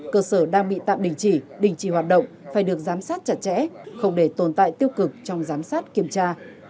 cơ sở đang bị tạm đình chỉ đình chỉ hoạt động phải được giám sát chặt chẽ không để tồn tại tiêu cực trong giám sát kiểm tra